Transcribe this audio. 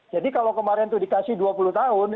jadi kalau kemarin itu dikasih dua puluh tahun